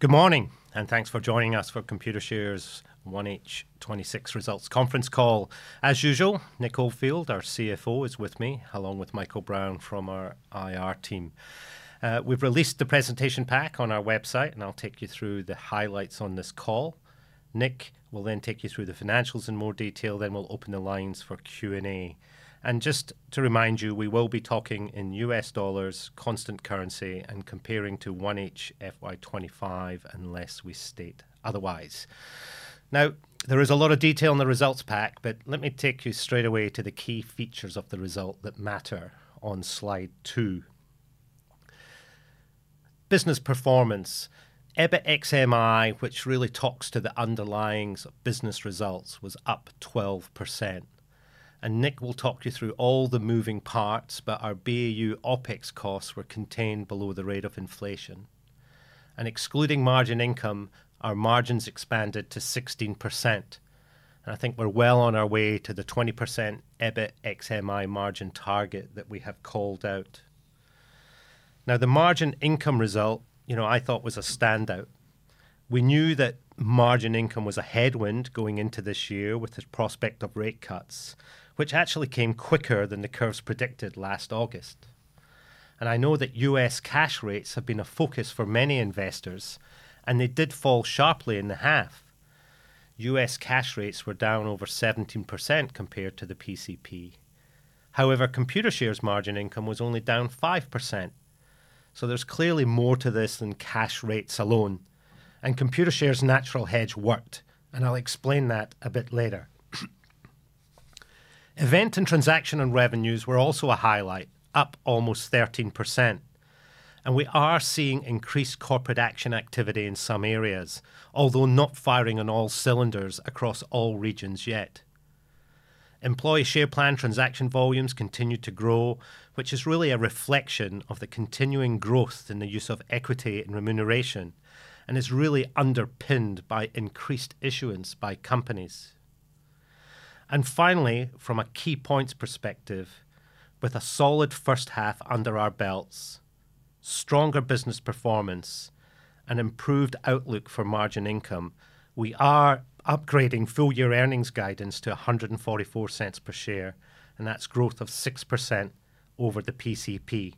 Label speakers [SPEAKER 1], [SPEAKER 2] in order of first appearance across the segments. [SPEAKER 1] Good morning, and thanks for joining us for Computershare's 1H 2026 Results Conference call. As usual, Nick Oldfield, our CFO, is with me along with Michael Brown from our IR team. We've released the presentation pack on our website, and I'll take you through the highlights on this call. Nick will then take you through the financials in more detail, then we'll open the lines for Q&A. And just to remind you, we will be talking in US dollars, constant currency, and comparing to 1H FY 2025 unless we state otherwise. Now, there is a lot of detail in the results pack, but let me take you straight away to the key features of the result that matter on slide two. Business performance: EBIT ex MI, which really talks to the underlyings of business results, was up 12%. Nick will talk you through all the moving parts, but our BAU OpEx costs were contained below the rate of inflation. Excluding margin income, our margins expanded to 16%. And I think we're well on our way to the 20% EBIT ex MI margin target that we have called out. Now, the margin income result I thought was a standout. We knew that margin income was a headwind going into this year with the prospect of rate cuts, which actually came quicker than the curve's predicted last August. And I know that U.S. cash rates have been a focus for many investors, and they did fall sharply in the half. U.S. cash rates were down over 17% compared to the PCP. However, Computershare's margin income was only down 5%. So there's clearly more to this than cash rates alone. Computershare's natural hedge worked, and I'll explain that a bit later. Event and transaction and revenues were also a highlight, up almost 13%. We are seeing increased corporate action activity in some areas, although not firing on all cylinders across all regions yet. Employee share plan transaction volumes continue to grow, which is really a reflection of the continuing growth in the use of equity and remuneration, and is really underpinned by increased issuance by companies. Finally, from a key points perspective, with a solid first half under our belts, stronger business performance, and improved outlook for margin income, we are upgrading full year earnings guidance to $1.44 per share, and that's growth of 6% over the PCP.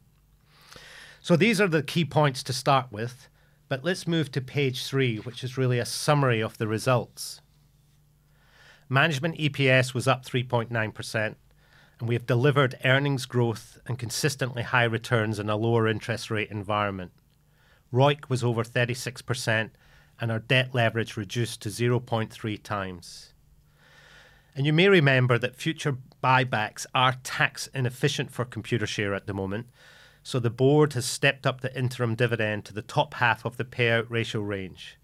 [SPEAKER 1] These are the key points to start with. Let's move to page three, which is really a summary of the results. Management EPS was up 3.9%, and we have delivered earnings growth and consistently high returns in a lower interest rate environment. ROIC was over 36%, and our debt leverage reduced to 0.3x. You may remember that future buybacks are tax inefficient for Computershare at the moment. So the board has stepped up the interim dividend to the top half of the payout ratio range.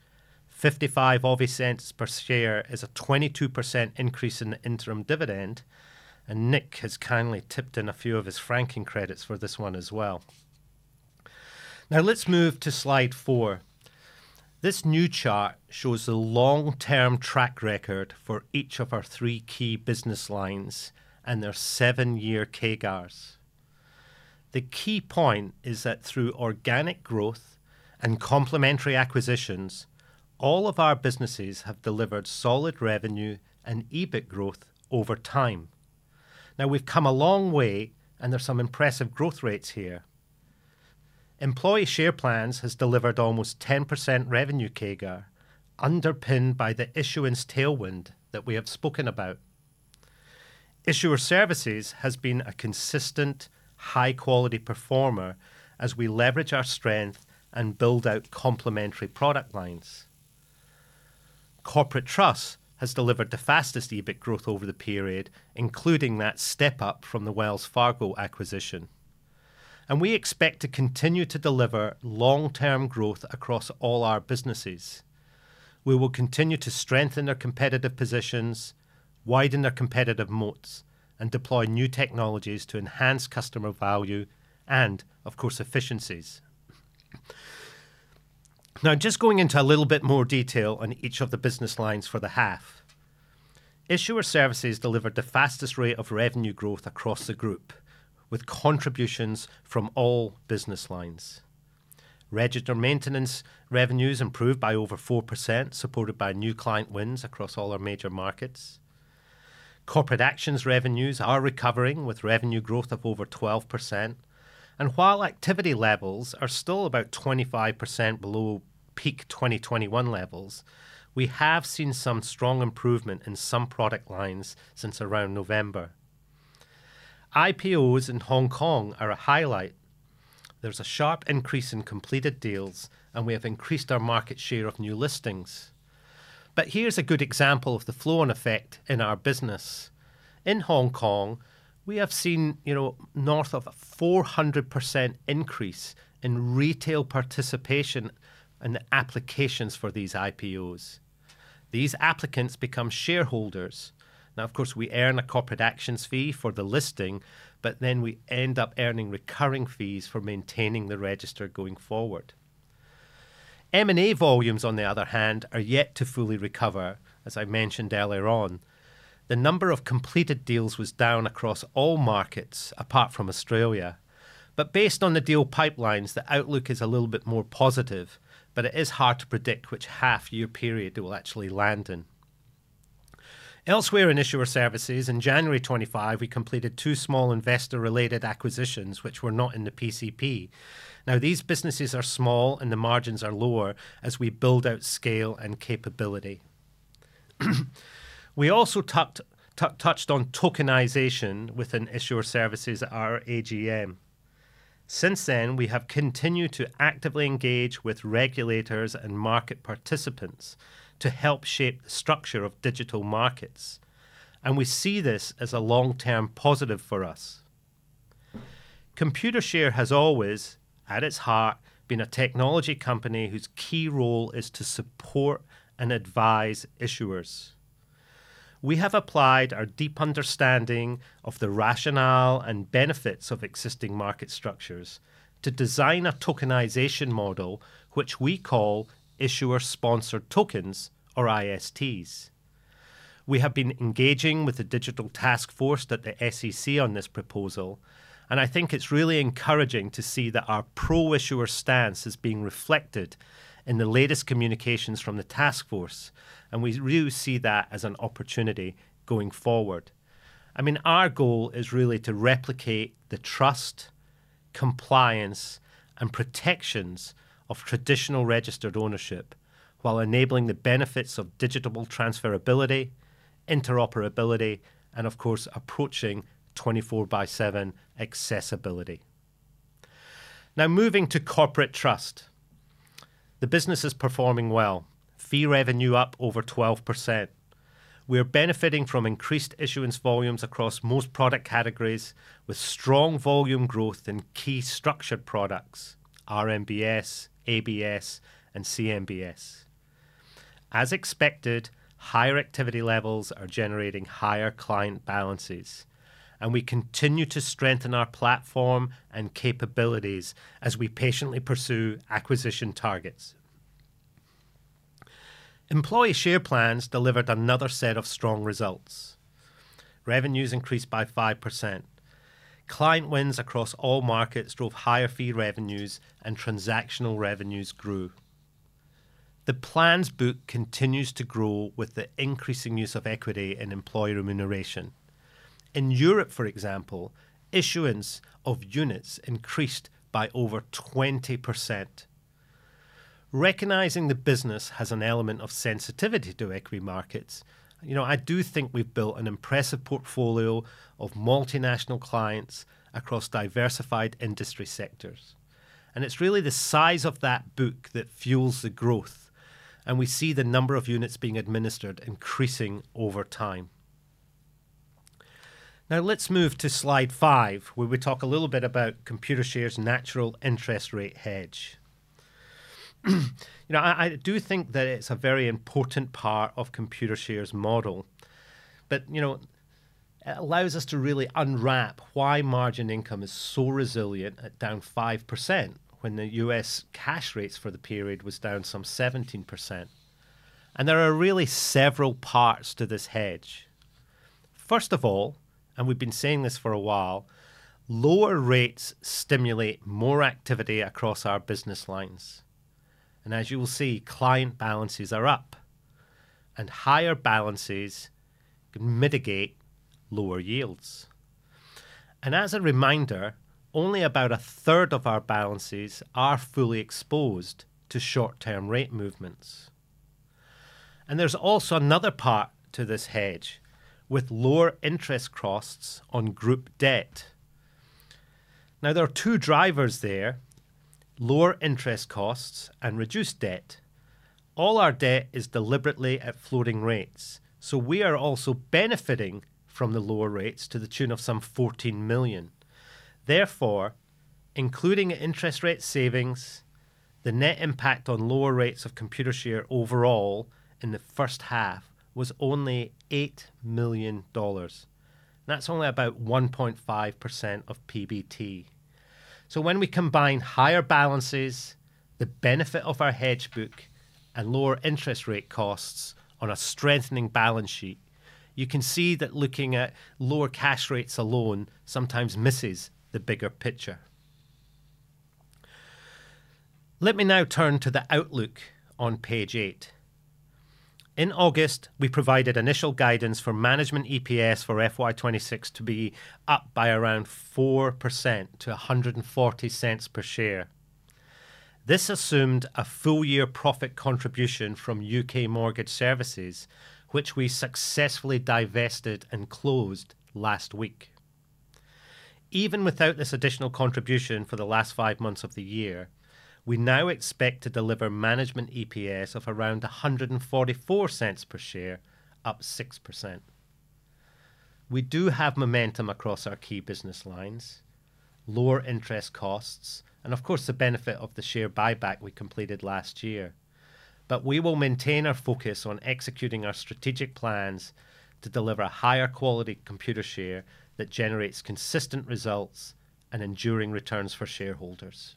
[SPEAKER 1] $0.55 per share is a 22% increase in the interim dividend. And Nick has kindly tipped in a few of his franking credits for this one as well. Now let's move to slide four. This new chart shows the long-term track record for each of our three key business lines and their seven-year CAGRs. The key point is that through organic growth and complementary acquisitions, all of our businesses have delivered solid revenue and EBIT growth over time. Now we've come a long way, and there's some impressive growth rates here. Employee share plans have delivered almost 10% revenue CAGR, underpinned by the issuance tailwind that we have spoken about. Issuer services has been a consistent, high-quality performer as we leverage our strength and build out complementary product lines. Corporate trust has delivered the fastest EBIT growth over the period, including that step up from the Wells Fargo acquisition. And we expect to continue to deliver long-term growth across all our businesses. We will continue to strengthen our competitive positions, widen our competitive moats, and deploy new technologies to enhance customer value and, of course, efficiencies. Now just going into a little bit more detail on each of the business lines for the half. Issuer services delivered the fastest rate of revenue growth across the group, with contributions from all business lines. Register maintenance revenues improved by over 4%, supported by new client wins across all our major markets. Corporate actions revenues are recovering with revenue growth of over 12%. While activity levels are still about 25% below peak 2021 levels, we have seen some strong improvement in some product lines since around November. IPOs in Hong Kong are a highlight. There's a sharp increase in completed deals, and we have increased our market share of new listings. Here's a good example of the flow-on effect in our business. In Hong Kong, we have seen north of a 400% increase in retail participation in the applications for these IPOs. These applicants become shareholders. Now, of course, we earn a corporate actions fee for the listing, but then we end up earning recurring fees for maintaining the register going forward. M&A volumes, on the other hand, are yet to fully recover, as I mentioned earlier on. The number of completed deals was down across all markets apart from Australia. But based on the deal pipelines, the outlook is a little bit more positive, but it is hard to predict which half year period they will actually land in. Elsewhere in issuer services, in January 2025, we completed two small investor-related acquisitions, which were not in the PCP. Now these businesses are small, and the margins are lower as we build out scale and capability. We also touched on tokenization within issuer services, our AGM. Since then, we have continued to actively engage with regulators and market participants to help shape the structure of digital markets. And we see this as a long-term positive for us. Computershare has always, at its heart, been a technology company whose key role is to support and advise issuers. We have applied our deep understanding of the rationale and benefits of existing market structures to design a tokenization model which we call issuer-sponsored tokens, or ISTs. We have been engaging with the digital task force at the SEC on this proposal. And I think it's really encouraging to see that our pro-issuer stance is being reflected in the latest communications from the task force. And we really see that as an opportunity going forward. I mean, our goal is really to replicate the trust, compliance, and protections of traditional registered ownership while enabling the benefits of digital transferability, interoperability, and, of course, approaching 24/7 accessibility. Now moving to corporate trust. The business is performing well, fee revenue up over 12%. We are benefiting from increased issuance volumes across most product categories, with strong volume growth in key structured products, RMBS, ABS, and CMBS. As expected, higher activity levels are generating higher client balances. We continue to strengthen our platform and capabilities as we patiently pursue acquisition targets. Employee share plans delivered another set of strong results. Revenues increased by 5%. Client wins across all markets drove higher fee revenues, and transactional revenues grew. The plan's book continues to grow with the increasing use of equity in employee remuneration. In Europe, for example, issuance of units increased by over 20%. Recognizing the business has an element of sensitivity to equity markets, I do think we've built an impressive portfolio of multinational clients across diversified industry sectors. It's really the size of that book that fuels the growth. We see the number of units being administered increasing over time. Now let's move to slide five, where we talk a little bit about Computershare's natural interest rate hedge. I do think that it's a very important part of Computershare's model. But it allows us to really unwrap why margin income is so resilient at down 5% when the U.S. cash rates for the period was down some 17%. And there are really several parts to this hedge. First of all, and we've been saying this for a while, lower rates stimulate more activity across our business lines. And as you will see, client balances are up. And higher balances can mitigate lower yields. And as a reminder, only about 1/3 of our balances are fully exposed to short-term rate movements. And there's also another part to this hedge, with lower interest costs on group debt. Now there are two drivers there: lower interest costs and reduced debt. All our debt is deliberately at floating rates. So we are also benefiting from the lower rates to the tune of some $14 million. Therefore, including interest rate savings, the net impact on lower rates of Computershare overall in the first half was only $8 million. That's only about 1.5% of PBT. So when we combine higher balances, the benefit of our hedge book, and lower interest rate costs on a strengthening balance sheet, you can see that looking at lower cash rates alone sometimes misses the bigger picture. Let me now turn to the outlook on page eight. In August, we provided initial guidance for management EPS for FY 2026 to be up by around 4% to $1.40 per share. This assumed a full year profit contribution from U.K. mortgage services, which we successfully divested and closed last week. Even without this additional contribution for the last five months of the year, we now expect to deliver management EPS of around $1.44 per share, up 6%. We do have momentum across our key business lines: lower interest costs and, of course, the benefit of the share buyback we completed last year. But we will maintain our focus on executing our strategic plans to deliver higher quality Computershare that generates consistent results and enduring returns for shareholders.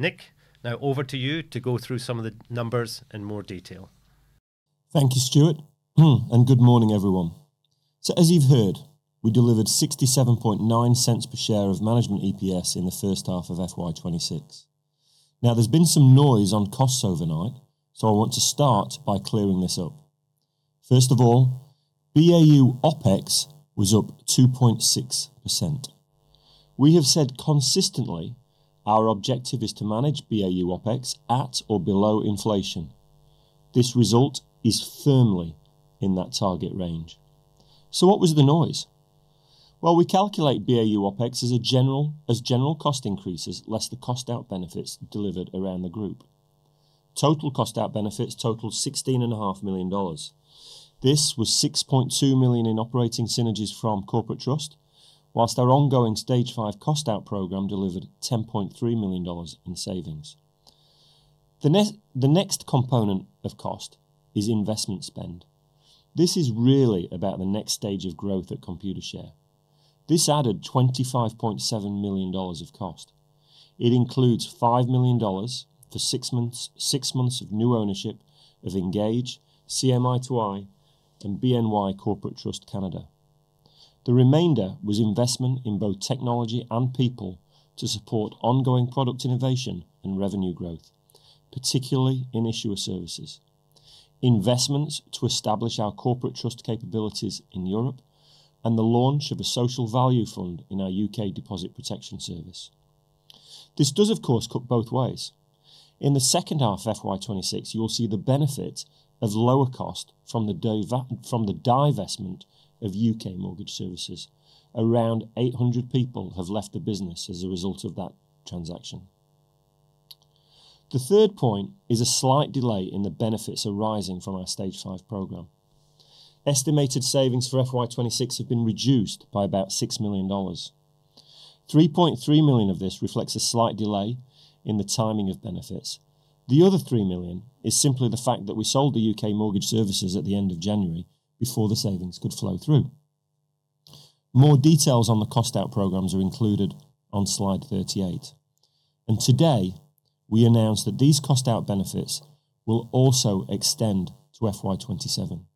[SPEAKER 1] Nick, now over to you to go through some of the numbers in more detail.
[SPEAKER 2] Thank you, Stuart. And good morning, everyone. So as you've heard, we delivered $0.679 per share of management EPS in the first half of FY 2026. Now there's been some noise on costs overnight, so I want to start by clearing this up. First of all, BAU OpEx was up 2.6%. We have said consistently our objective is to manage BAU OpEx at or below inflation. This result is firmly in that target range. So what was the noise? Well, we calculate BAU OpEx as general cost increases less the cost out benefits delivered around the group. Total cost out benefits totaled $16.5 million. This was $6.2 million in operating synergies from corporate trust, while our ongoing Stage 5 cost out program delivered $10.3 million in savings. The next component of cost is investment spend. This is really about the next stage of growth at Computershare. This added $25.7 million of cost. It includes $5 million for six months of new ownership of Ingage, CMi2i, and BNY Trust Company of Canada. The remainder was investment in both technology and people to support ongoing product innovation and revenue growth, particularly in issuer services, investments to establish our corporate trust capabilities in Europe, and the launch of a social value fund in our U.K. Deposit Protection Service. This does, of course, cut both ways. In the second half of FY 2026, you will see the benefit of lower cost from the divestment of U.K. mortgage services. Around 800 people have left the business as a result of that transaction. The third point is a slight delay in the benefits arising from our Stage 5 program. Estimated savings for FY 2026 have been reduced by about $6 million. $3.3 million of this reflects a slight delay in the timing of benefits. The other $3 million is simply the fact that we sold U.K. mortgage services at the end of January before the savings could flow through. More details on the cost out programs are included on slide 38. Today, we announced that these cost out benefits will also extend to FY 2027.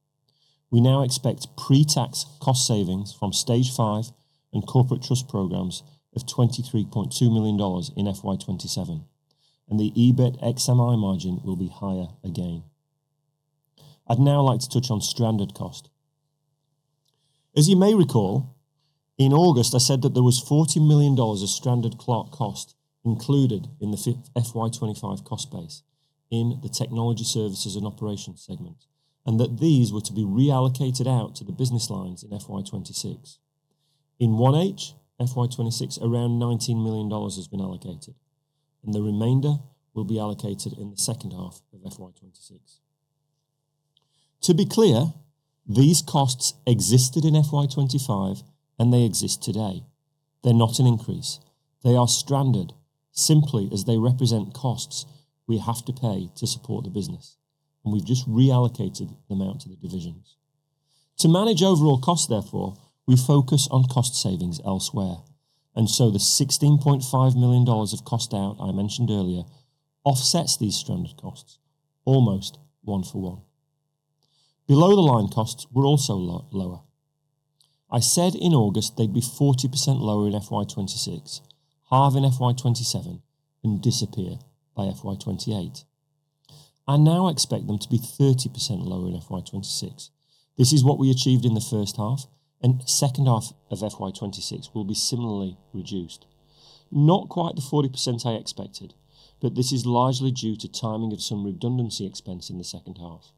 [SPEAKER 2] We now expect pre-tax cost savings from Stage 5 and corporate trust programs of $23.2 million in FY 2027. The EBIT ex MI margin will be higher again. I'd now like to touch on standard cost. As you may recall, in August, I said that there was $40 million of standard cost included in the FY 2025 cost base in the technology services and operations segment, and that these were to be reallocated out to the business lines in FY 2026. In 1H, FY 2026, around $19 million has been allocated. The remainder will be allocated in the second half of FY 2026. To be clear, these costs existed in FY 2025, and they exist today. They're not an increase. They are standard, simply as they represent costs we have to pay to support the business. We've just reallocated them out to the divisions. To manage overall costs, therefore, we focus on cost savings elsewhere. So the $16.5 million of cost out I mentioned earlier offsets these standard costs almost one for one. Below the line costs were also lower. I said in August they'd be 40% lower in FY 2026, halve in FY 2027, and disappear by FY 2028. I now expect them to be 30% lower in FY 2026. This is what we achieved in the first half. Second half of FY 2026 will be similarly reduced. Not quite the 40% I expected, but this is largely due to timing of some redundancy expense in the second half.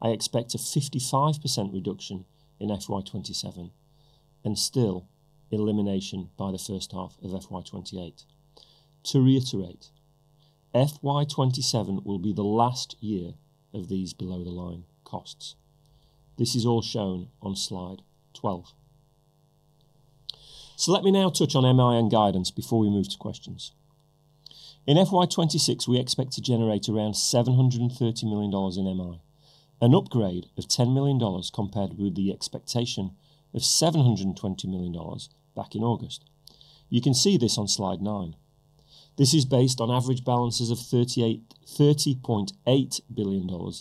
[SPEAKER 2] I expect a 55% reduction in FY 2027, and still elimination by the first half of FY 2028. To reiterate, FY 2027 will be the last year of these below the line costs. This is all shown on slide 12. So let me now touch on MI and guidance before we move to questions. In FY 2026, we expect to generate around $730 million in MI, an upgrade of $10 million compared with the expectation of $720 million back in August. You can see this on slide nine. This is based on average balances of $30.8 billion,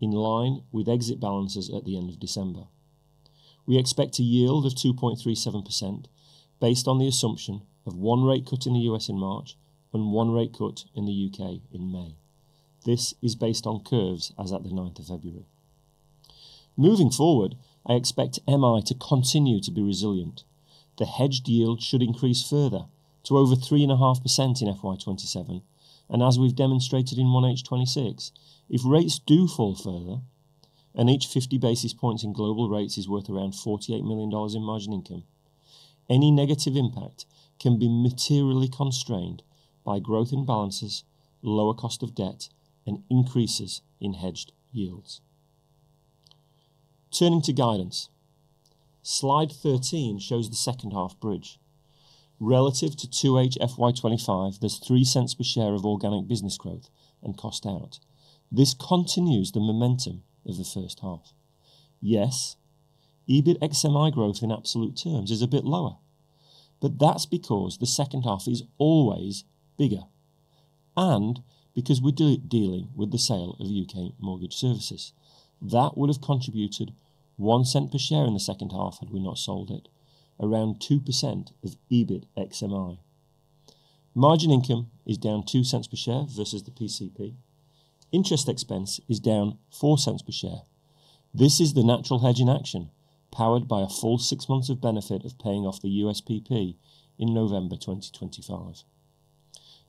[SPEAKER 2] in line with exit balances at the end of December. We expect a yield of 2.37% based on the assumption of one rate cut in the U.S. in March and one rate cut in the U.K. in May. This is based on curves as at the 9th of February. Moving forward, I expect MI to continue to be resilient. The hedged yield should increase further to over 3.5% in FY 2027. And as we've demonstrated in 1H 2026, if rates do fall further and each 50 basis points in global rates is worth around $48 million in margin income. Any negative impact can be materially constrained by growth imbalances, lower cost of debt, and increases in hedged yields. Turning to guidance, slide 13 shows the second half bridge. Relative to 2H FY 2025, there's $0.03 per share of organic business growth and cost out. This continues the momentum of the first half. Yes, EBIT ex MI growth in absolute terms is a bit lower. But that's because the second half is always bigger, and because we're dealing with the U.K. mortgage services. that would have contributed $0.01 per share in the second half had we not sold it, around 2% of EBIT ex MI. Margin income is down $0.02 per share versus the PCP. Interest expense is down $0.04 per share. This is the natural hedge in action, powered by a full six months of benefit of paying off the USPP in November 2025.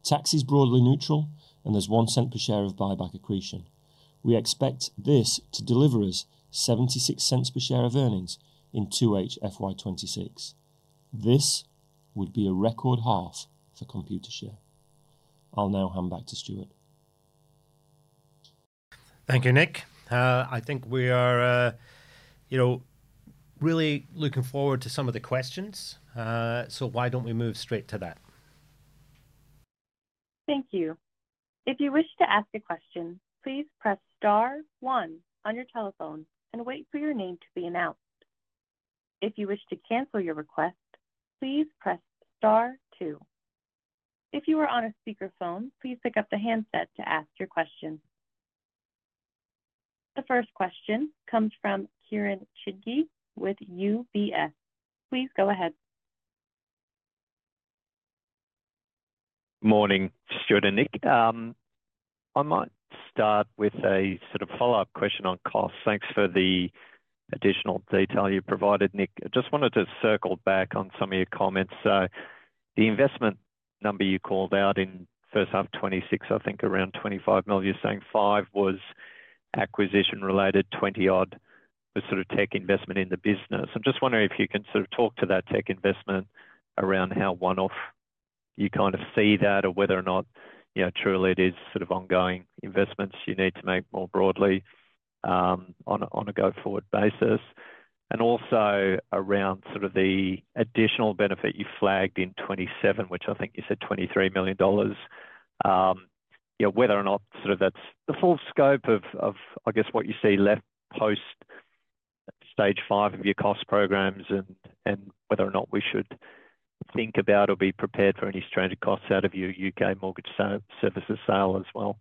[SPEAKER 2] Tax is broadly neutral, and there's $0.01 per share of buyback accretion. We expect this to deliver us $0.76 per share of earnings in 2H FY 2026. This would be a record half for Computershare. I'll now hand back to Stuart.
[SPEAKER 1] Thank you, Nick. I think we are really looking forward to some of the questions. Why don't we move straight to that?
[SPEAKER 3] Thank you. If you wish to ask a question, please press star one on your telephone and wait for your name to be announced. If you wish to cancel your request, please press star two. If you are on a speakerphone, please pick up the handset to ask your question. The first question comes from Kieren Chidgey with UBS. Please go ahead.
[SPEAKER 4] Morning, Stuart and Nick. I might start with a sort of follow-up question on costs. Thanks for the additional detail you provided, Nick. I just wanted to circle back on some of your comments. So the investment number you called out in first half 2026, I think around $25 million you're saying 5 was acquisition related, 20-odd was sort of tech investment in the business. I'm just wondering if you can sort of talk to that tech investment around how one-off you kind of see that, or whether or not truly it is sort of ongoing investments you need to make more broadly on a go-forward basis. And also around sort of the additional benefit you flagged in 2027, which I think you said $23 million, whether or not sort of that's the full scope of, I guess, what you see left post Stage 5 of your cost programs and whether or not we should think about or be prepared for any stranded costs out U.K. mortgage services sale as well.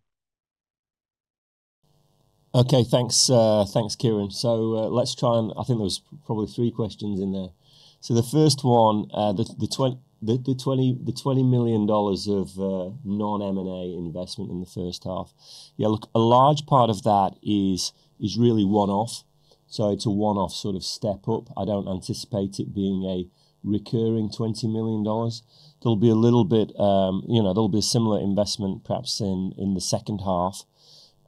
[SPEAKER 2] OK, thanks, Kieren. So let's try and I think there was probably three questions in there. So the first one, the $20 million of non-M&A investment in the first half, yeah, look, a large part of that is really one-off. So it's a one-off sort of step up. I don't anticipate it being a recurring $20 million. There'll be a little bit there'll be a similar investment, perhaps, in the second half.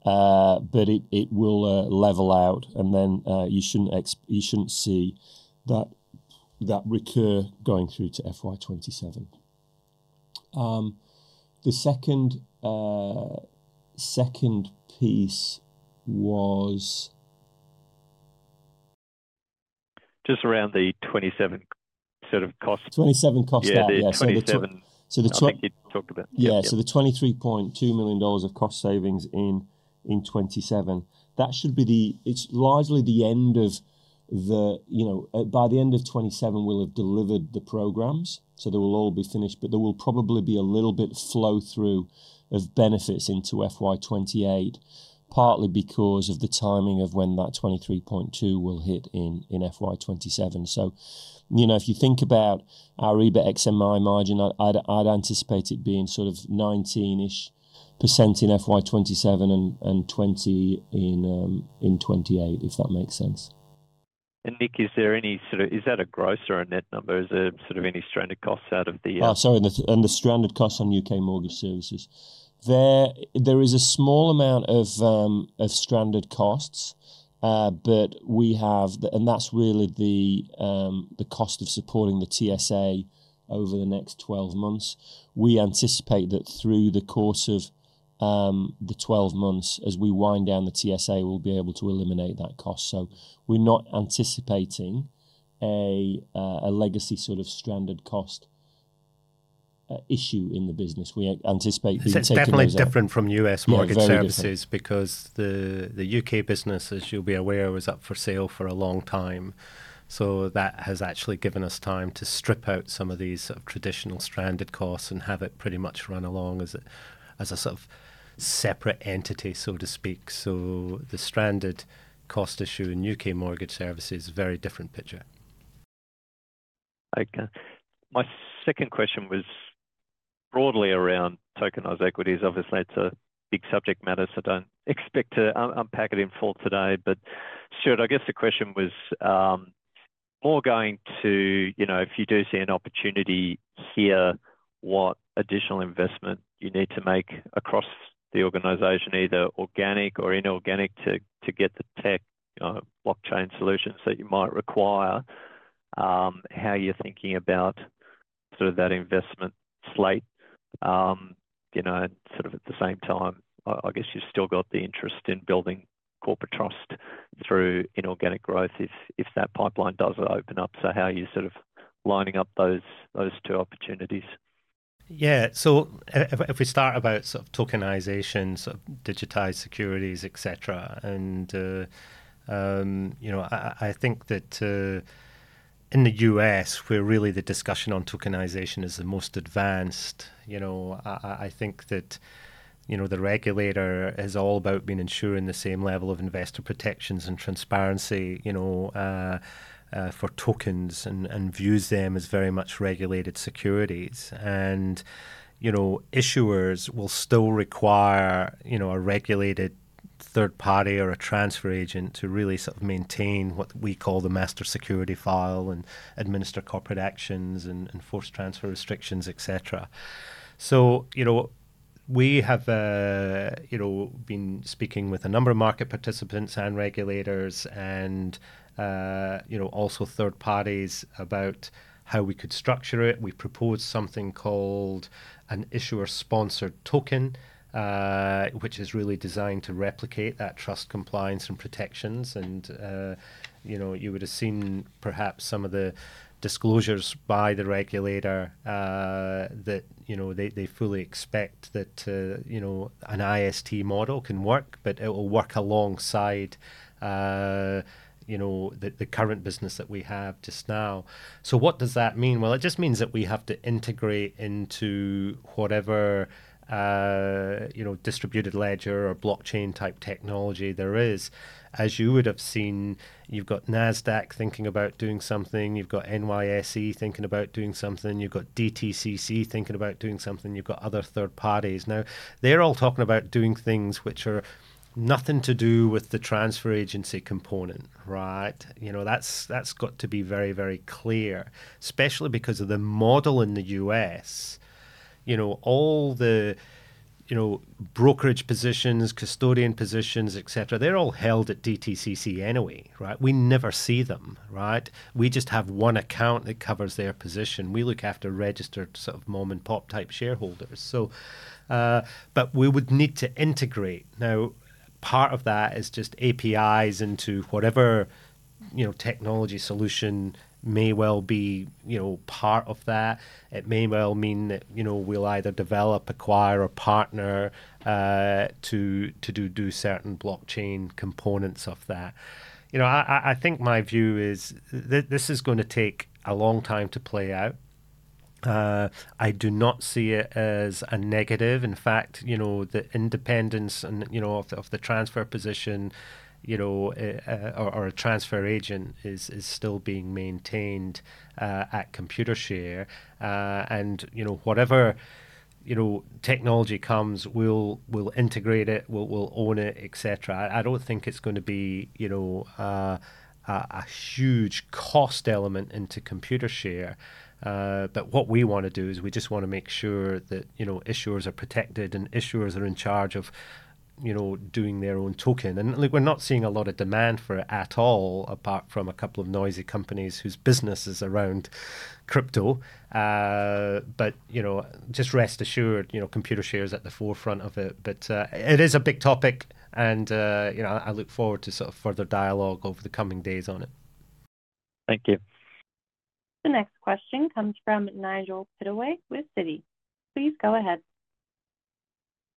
[SPEAKER 2] But it will level out. And then you shouldn't see that recur going through to FY 2027. The second piece was.
[SPEAKER 4] Just around the $27 sort of cost.
[SPEAKER 2] $27 cost out, yes.
[SPEAKER 4] The $27.
[SPEAKER 2] So the.
[SPEAKER 4] I think you talked about.
[SPEAKER 2] Yeah, so the $23.2 million of cost savings in 2027, that should be it's largely the end of by the end of 2027, we'll have delivered the programs. So they will all be finished. But there will probably be a little bit flow through of benefits into FY 2028, partly because of the timing of when that $23.2 will hit in FY 2027. So if you think about our EBIT ex MI margin, I'd anticipate it being sort of 19-ish% in FY 2027 and 20% in 2028, if that makes sense.
[SPEAKER 4] Nick, is there any sort of, is that a gross or a net number? Is there sort of any stranded costs out of the.
[SPEAKER 2] Oh, sorry, and the stranded costs on U.K. mortgage services. There is a small amount of stranded costs. But we have and that's really the cost of supporting the TSA over the next 12 months. We anticipate that through the course of the 12 months, as we wind down the TSA, we'll be able to eliminate that cost. So we're not anticipating a legacy sort of stranded cost issue in the business. We anticipate being taken out.
[SPEAKER 1] So it's definitely U.K. mortgage services because the U.K. business, as you'll be aware, was up for sale for a long time. So that has actually given us time to strip out some of these traditional stranded costs and have it pretty much run along as a sort of separate entity, so to speak. So the stranded cost U.K. mortgage services is a very different picture.
[SPEAKER 4] My second question was broadly around tokenized equities. Obviously, it's a big subject matter. So don't expect to unpack it in full today. But Stuart, I guess the question was more going to if you do see an opportunity here, what additional investment you need to make across the organization, either organic or inorganic, to get the tech blockchain solutions that you might require, how you're thinking about sort of that investment slate. And sort of at the same time, I guess you've still got the interest in building corporate trust through inorganic growth if that pipeline does open up. So how are you sort of lining up those two opportunities?
[SPEAKER 1] Yeah, so if we start about sort of tokenization, sort of digitized securities, et cetera, and I think that in the U.S., really, the discussion on tokenization is the most advanced. I think that the regulator is all about being ensuring the same level of investor protections and transparency for tokens and views them as very much regulated securities. And issuers will still require a regulated third party or a transfer agent to really sort of maintain what we call the master security file and administer corporate actions and enforce transfer restrictions, et cetera. So we have been speaking with a number of market participants and regulators and also third parties about how we could structure it. We proposed something called an issuer-sponsored token, which is really designed to replicate that trust compliance and protections. And you would have seen, perhaps, some of the disclosures by the regulator that they fully expect that an IST model can work. But it will work alongside the current business that we have just now. So what does that mean? Well, it just means that we have to integrate into whatever distributed ledger or blockchain type technology there is. As you would have seen, you've got NASDAQ thinking about doing something. You've got NYSE thinking about doing something. You've got DTCC thinking about doing something. You've got other third parties. Now, they're all talking about doing things which are nothing to do with the transfer agency component, right? That's got to be very, very clear, especially because of the model in the U.S. All the brokerage positions, custodian positions, et cetera, they're all held at DTCC anyway, right? We never see them, right? We just have one account that covers their position. We look after registered sort of mom-and-pop type shareholders. But we would need to integrate. Now, part of that is just APIs into whatever technology solution may well be part of that. It may well mean that we'll either develop, acquire, or partner to do certain blockchain components of that. I think my view is this is going to take a long time to play out. I do not see it as a negative. In fact, the independence of the transfer position or a transfer agent is still being maintained at Computershare. And whatever technology comes, we'll integrate it, we'll own it, et cetera. I don't think it's going to be a huge cost element into Computershare. But what we want to do is we just want to make sure that issuers are protected and issuers are in charge of doing their own token. And we're not seeing a lot of demand for it at all, apart from a couple of noisy companies whose business is around crypto. But just rest assured, Computershare is at the forefront of it. But it is a big topic. And I look forward to sort of further dialogue over the coming days on it.
[SPEAKER 4] Thank you.
[SPEAKER 3] The next question comes from Nigel Pittaway with Citi. Please go ahead.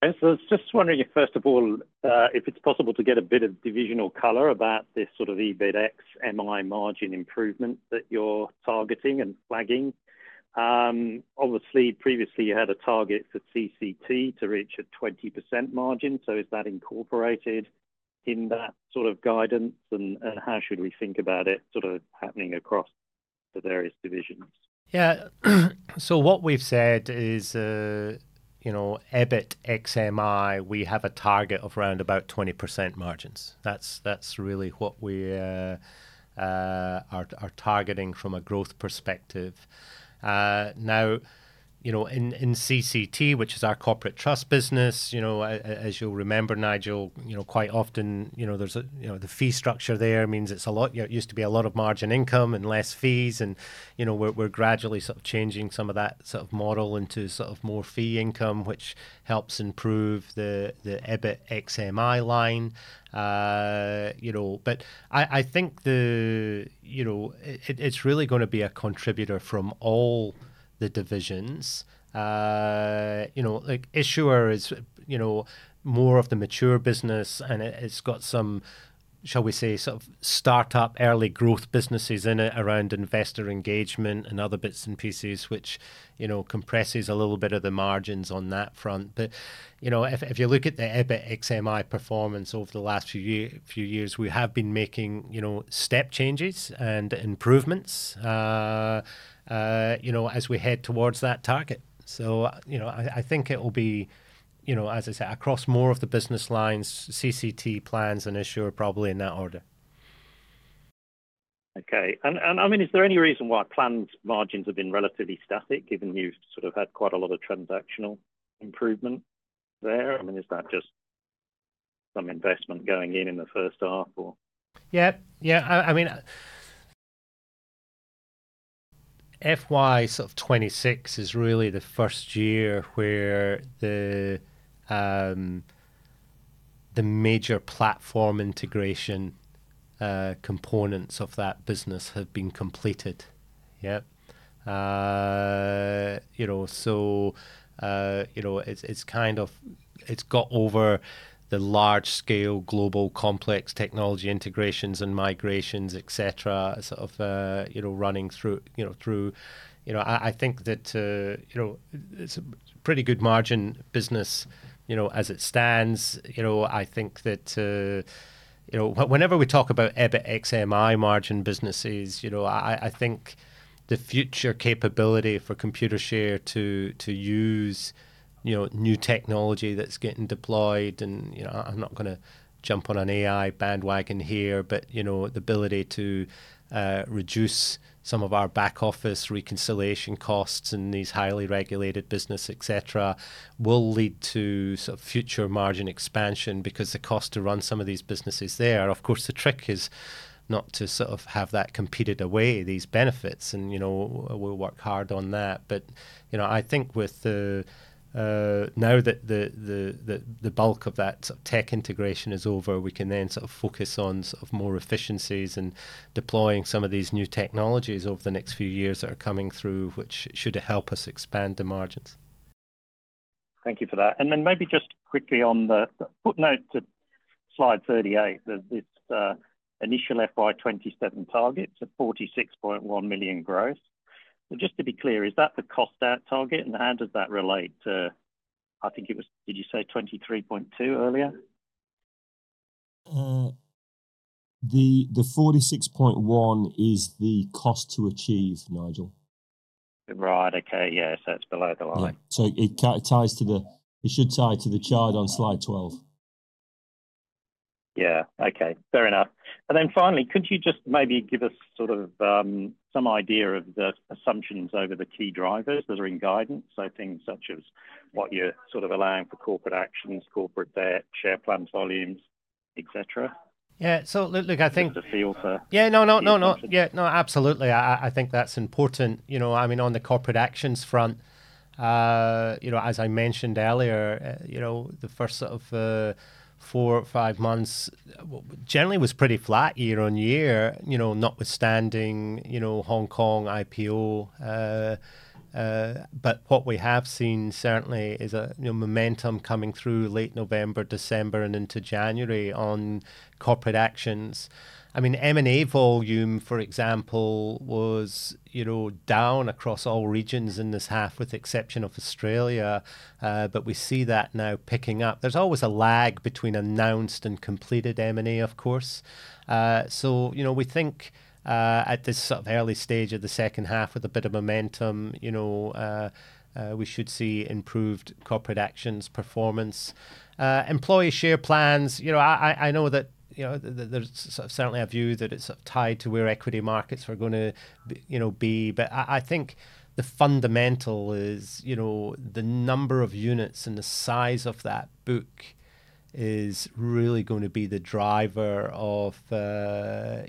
[SPEAKER 5] So I was just wondering, first of all, if it's possible to get a bit of divisional color about this sort of EBIT ex MI margin improvement that you're targeting and flagging? Obviously, previously, you had a target for CCT to reach a 20% margin. So is that incorporated in that sort of guidance? And how should we think about it sort of happening across the various divisions?
[SPEAKER 1] Yeah, so what we've said is EBIT ex MI; we have a target of around about 20% margins. That's really what we are targeting from a growth perspective. Now, in CCT, which is our corporate trust business, as you'll remember, Nigel, quite often, there's the fee structure there means it's a lot it used to be a lot of margin income and less fees. We're gradually sort of changing some of that sort of model into sort of more fee income, which helps improve the EBIT ex MI line. But I think it's really going to be a contributor from all the divisions. Issuer is more of the mature business. It's got some, shall we say, sort of startup early growth businesses in it around investor engagement and other bits and pieces, which compresses a little bit of the margins on that front. But if you look at the EBIT ex MI performance over the last few years, we have been making step changes and improvements as we head towards that target. So I think it will be, as I said, across more of the business lines, CCT plans and issuer probably in that order.
[SPEAKER 5] OK, and I mean, is there any reason why planned margins have been relatively static, given you've sort of had quite a lot of transactional improvement there? I mean, is that just some investment going in in the first half, or?
[SPEAKER 1] Yeah, yeah, I mean, FY sort of 2026 is really the first year where the major platform integration components of that business have been completed, yeah? So it's kind of it's got over the large-scale, global, complex technology integrations and migrations, et cetera, sort of running through. I think that it's a pretty good margin business as it stands. I think that whenever we talk about EBIT ex MI margin businesses, I think the future capability for Computershare to use new technology that's getting deployed and I'm not going to jump on an AI bandwagon here, but the ability to reduce some of our back office reconciliation costs in these highly regulated business, et cetera, will lead to sort of future margin expansion because the cost to run some of these businesses there. Of course, the trick is not to sort of have that competed away, these benefits. We'll work hard on that. I think now that the bulk of that tech integration is over, we can then sort of focus on more efficiencies and deploying some of these new technologies over the next few years that are coming through, which should help us expand the margins.
[SPEAKER 5] Thank you for that. And then maybe just quickly on the footnote to slide 38, this initial FY 2027 target of $46.1 million growth. So just to be clear, is that the cost out target? And how does that relate to I think it was did you say $23.2 million earlier?
[SPEAKER 2] The 46.1 is the cost to achieve, Nigel.
[SPEAKER 5] Right, OK, yeah, so it's below the line.
[SPEAKER 2] So it ties to the chart on slide 12.
[SPEAKER 5] Yeah, OK, fair enough. Then finally, could you just maybe give us sort of some idea of the assumptions over the key drivers that are in guidance, so things such as what you're sort of allowing for corporate actions, corporate debt, share plans volumes, et cetera?
[SPEAKER 1] Yeah, so look, I think.
[SPEAKER 5] Give us a feel for.
[SPEAKER 1] Yeah, no, no, no, no, yeah, no, absolutely. I think that's important. I mean, on the corporate actions front, as I mentioned earlier, the first sort of four or five months generally was pretty flat year-over-year, notwithstanding Hong Kong IPO. But what we have seen, certainly, is momentum coming through late November, December, and into January on corporate actions. I mean, M&A volume, for example, was down across all regions in this half, with the exception of Australia. But we see that now picking up. There's always a lag between announced and completed M&A, of course. So we think at this sort of early stage of the second half, with a bit of momentum, we should see improved corporate actions performance. Employee share plans, I know that there's certainly a view that it's tied to where equity markets are going to be. But I think the fundamental is the number of units and the size of that book is really going to be the driver of that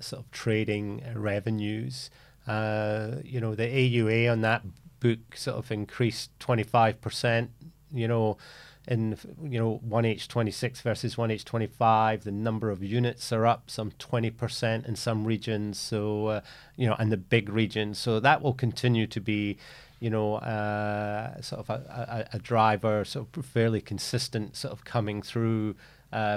[SPEAKER 1] sort of trading revenues. The AUA on that book sort of increased 25% in 1H 2026 versus 1H 2025. The number of units are up some 20% in some regions and the big regions. So that will continue to be sort of a driver, sort of fairly consistent, sort of coming through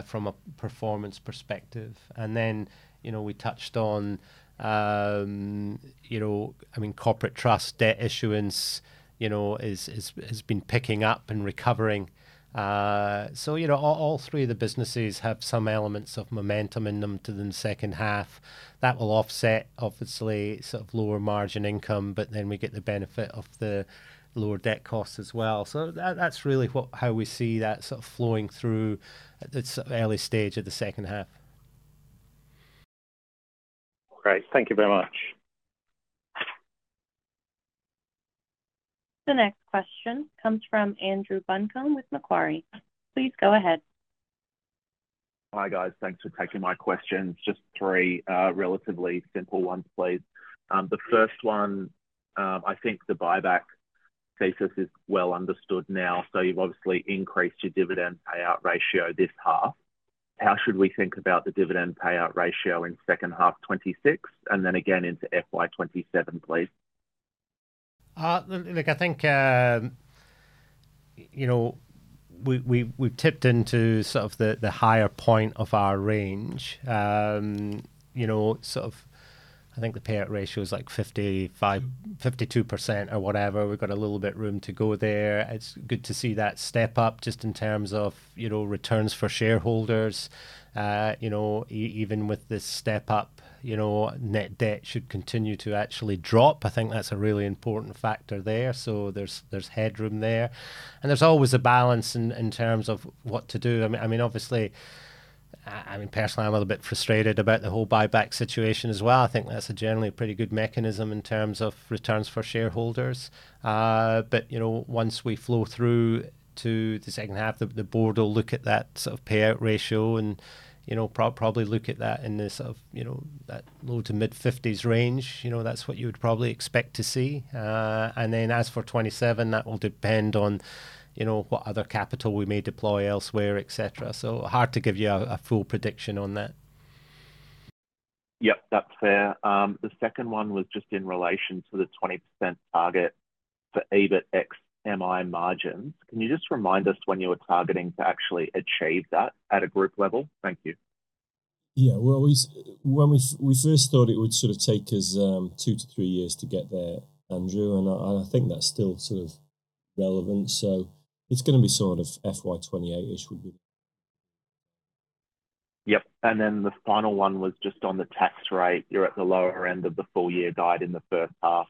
[SPEAKER 1] from a performance perspective. And then we touched on, I mean, corporate trust debt issuance has been picking up and recovering. So all three of the businesses have some elements of momentum in them to the second half. That will offset, obviously, sort of lower margin income. But then we get the benefit of the lower debt costs as well. That's really how we see that sort of flowing through the early stage of the second half.
[SPEAKER 5] Great, thank you very much.
[SPEAKER 3] The next question comes from Andrew Buncombe with Macquarie. Please go ahead.
[SPEAKER 6] Hi, guys, thanks for taking my questions. Just three relatively simple ones, please. The first one, I think the buyback thesis is well understood now. So you've obviously increased your dividend payout ratio this half. How should we think about the dividend payout ratio in second half 2026 and then again into FY 2027, please?
[SPEAKER 1] Look, I think we've tipped into sort of the higher point of our range. Sort of, I think the payout ratio is like 52% or whatever. We've got a little bit of room to go there. It's good to see that step up just in terms of returns for shareholders. Even with this step up, net debt should continue to actually drop. I think that's a really important factor there. So there's headroom there. And there's always a balance in terms of what to do. I mean, obviously, I mean, personally, I'm a little bit frustrated about the whole buyback situation as well. I think that's generally a pretty good mechanism in terms of returns for shareholders. But once we flow through to the second half, the board will look at that sort of payout ratio and probably look at that in this sort of low- to mid-50s range. That's what you would probably expect to see. And then as for 2027, that will depend on what other capital we may deploy elsewhere, et cetera. So hard to give you a full prediction on that.
[SPEAKER 6] Yep, that's fair. The second one was just in relation to the 20% target for EBIT ex MI margins. Can you just remind us when you were targeting to actually achieve that at a group level? Thank you.
[SPEAKER 2] Yeah, we always when we first thought it would sort of take us two, three years to get there, Andrew. And I think that's still sort of relevant. So it's going to be sort of FY 2028-ish would be the target.
[SPEAKER 6] Yep, and then the final one was just on the tax rate. You're at the lower end of the full year divided in the first half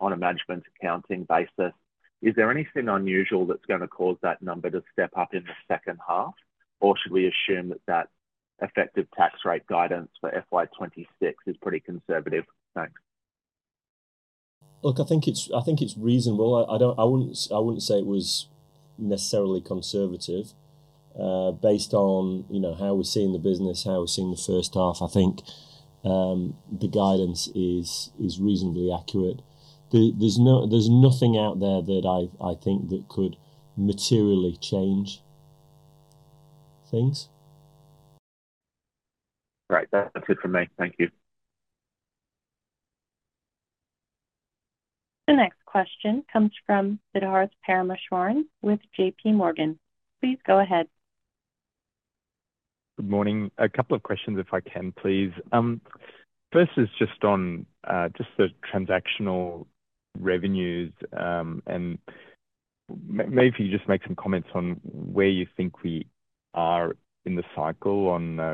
[SPEAKER 6] on a management accounting basis. Is there anything unusual that's going to cause that number to step up in the second half? Or should we assume that that effective tax rate guidance for FY 2026 is pretty conservative? Thanks.
[SPEAKER 2] Look, I think it's reasonable. I wouldn't say it was necessarily conservative. Based on how we're seeing the business, how we're seeing the first half, I think the guidance is reasonably accurate. There's nothing out there that I think that could materially change things.
[SPEAKER 6] Great, that's it from me. Thank you.
[SPEAKER 3] The next question comes from Sidharth Parameswaran with JPMorgan. Please go ahead.
[SPEAKER 7] Good morning, a couple of questions, if I can, please. First is just on just the transactional revenues. And maybe if you could just make some comments on where you think we are in the cycle on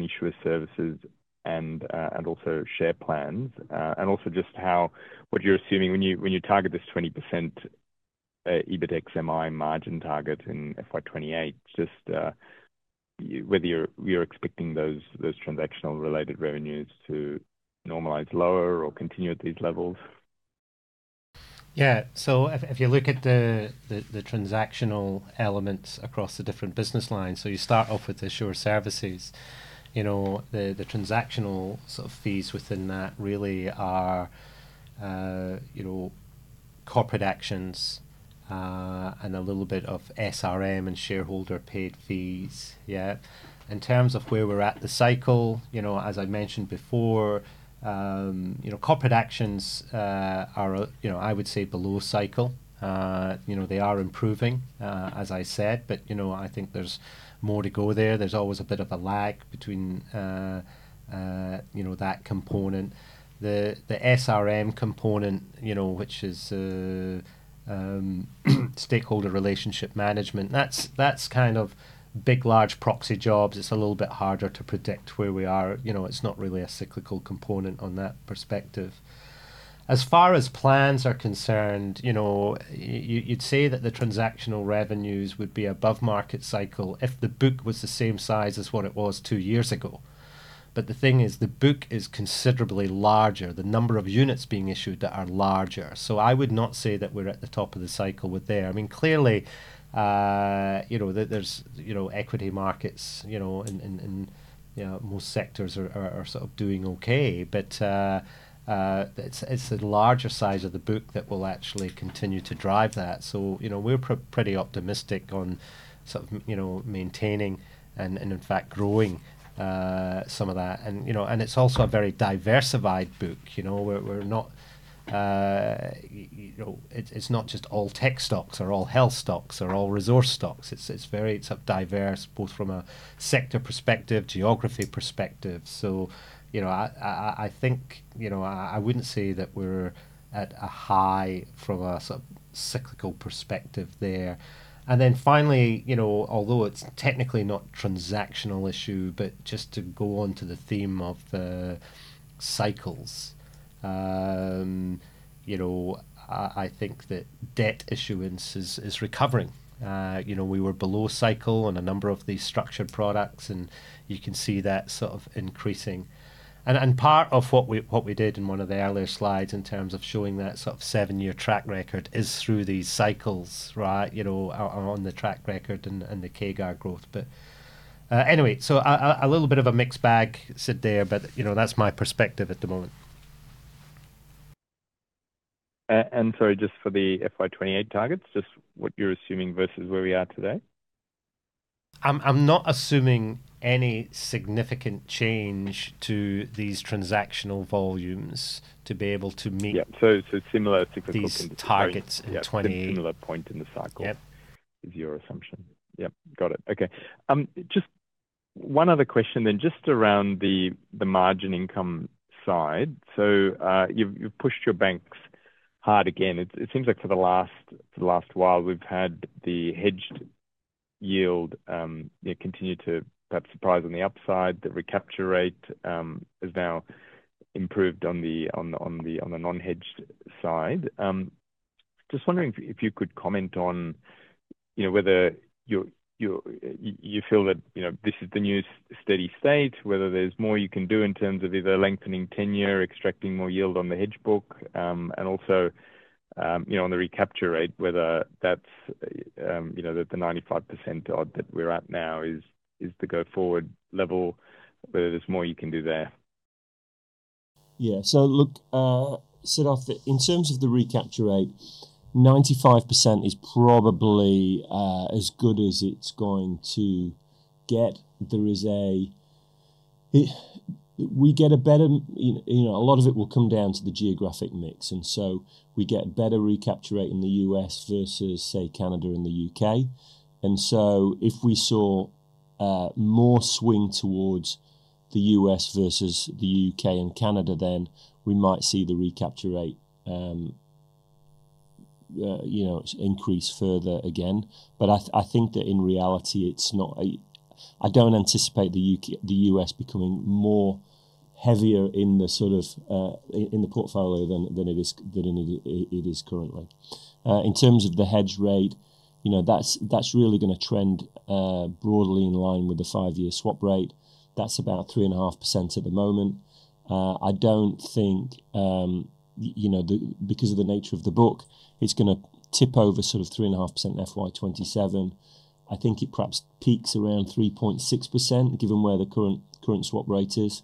[SPEAKER 7] issuer services and also share plans and also just how what you're assuming when you target this 20% EBIT ex MI margin target in FY 2028, just whether you're expecting those transactional-related revenues to normalize lower or continue at these levels. Yeah, so if you look at the transactional elements across the different business lines so you start off with issuer services, the transactional sort of fees within that really are corporate actions and a little bit of SRM and shareholder-paid fees, yeah? In terms of where we're at the cycle, as I mentioned before, corporate actions are, I would say, below cycle. They are improving, as I said.
[SPEAKER 1] I think there's more to go there. There's always a bit of a lag between that component. The SRM component, which is stakeholder relationship management, that's kind of big, large proxy jobs. It's a little bit harder to predict where we are. It's not really a cyclical component on that perspective. As far as plans are concerned, you'd say that the transactional revenues would be above market cycle if the book was the same size as what it was two years ago. But the thing is, the book is considerably larger, the number of units being issued that are larger. So I would not say that we're at the top of the cycle with there. I mean, clearly, there's equity markets in most sectors are sort of doing OK. But it's the larger size of the book that will actually continue to drive that. So we're pretty optimistic on sort of maintaining and, in fact, growing some of that. And it's also a very diversified book. It's not just all tech stocks or all health stocks or all resource stocks. It's very diverse, both from a sector perspective, geography perspective. So I think I wouldn't say that we're at a high from a cyclical perspective there. And then finally, although it's technically not a transactional issue, but just to go on to the theme of the cycles, I think that debt issuance is recovering. We were below cycle on a number of these structured products. And you can see that sort of increasing. And part of what we did in one of the earlier slides in terms of showing that sort of seven-year track record is through these cycles, right, on the track record and the CAGR growth. But anyway, so a little bit of a mixed bag sits there. But that's my perspective at the moment.
[SPEAKER 7] Sorry, just for the FY 2028 targets, just what you're assuming versus where we are today?
[SPEAKER 1] I'm not assuming any significant change to these transactional volumes to be able to meet.
[SPEAKER 7] Yeah, so similar cyclical.
[SPEAKER 1] These targets in.
[SPEAKER 7] At the similar point in the cycle is your assumption. Yep, got it, OK. Just one other question then, just around the margin income side. So you've pushed your banks hard again. It seems like for the last while, we've had the hedged yield continue to perhaps surprise on the upside. The recapture rate has now improved on the non-hedged side. Just wondering if you could comment on whether you feel that this is the new steady state, whether there's more you can do in terms of either lengthening tenure, extracting more yield on the hedge book, and also on the recapture rate, whether the 95% odd that we're at now is the go-forward level, whether there's more you can do there.
[SPEAKER 2] Yeah, so look, Sidharth, in terms of the recapture rate, 95% is probably as good as it's going to get. A lot of it will come down to the geographic mix. And so we get a better recapture rate in the U.S. versus, say, Canada and the U.K. And so if we saw more swing towards the U.S. versus the U.K. and Canada, then we might see the recapture rate increase further again. But I think that in reality, it's not, I don't anticipate the U.S. becoming heavier in the portfolio than it is currently. In terms of the hedge rate, that's really going to trend broadly in line with the five-year swap rate. That's about 3.5% at the moment. I don't think, because of the nature of the book, it's going to tip over sort of 3.5% in FY 2027. I think it perhaps peaks around 3.6%, given where the current swap rate is.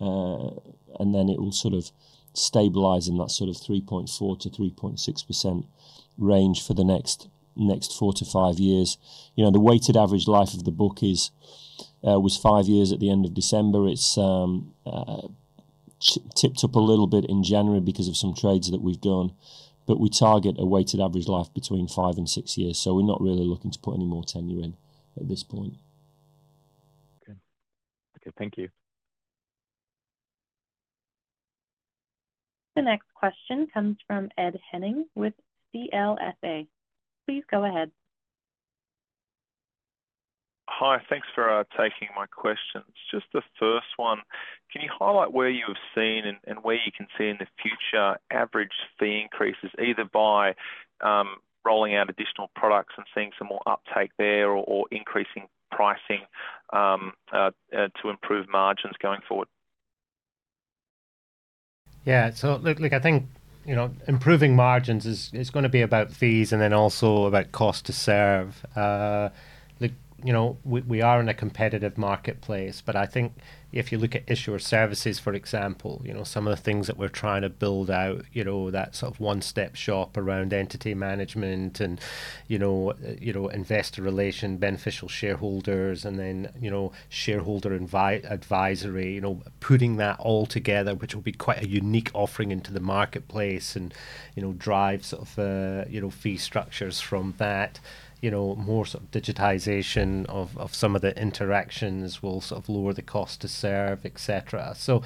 [SPEAKER 2] And then it will sort of stabilize in that sort of 3.4%-3.6% range for the next four to five years. The weighted average life of the book was five years at the end of December. It's tipped up a little bit in January because of some trades that we've done. But we target a weighted average life between five to six years. So we're not really looking to put any more tenure in at this point.
[SPEAKER 5] OK, thank you.
[SPEAKER 3] The next question comes from Ed Henning with CLSA. Please go ahead.
[SPEAKER 8] Hi, thanks for taking my questions. Just the first one, can you highlight where you have seen and where you can see in the future average fee increases, either by rolling out additional products and seeing some more uptake there or increasing pricing to improve margins going forward?
[SPEAKER 1] Yeah, so look, I think improving margins is going to be about fees and then also about cost to serve. We are in a competitive marketplace. But I think if you look at issuer services, for example, some of the things that we're trying to build out, that sort of one-step shop around entity management and investor relation, beneficial shareholders, and then shareholder advisory, putting that all together, which will be quite a unique offering into the marketplace and drive sort of fee structures from that, more sort of digitization of some of the interactions will sort of lower the cost to serve, et cetera. So